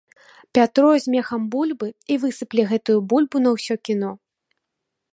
Пятро з мехам бульбы і высыпле гэтую бульбу на ўсё кіно.